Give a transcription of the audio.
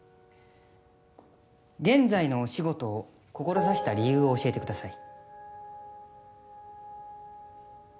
現在のお仕事を志した理由を教えてください。